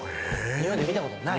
日本で見たことない？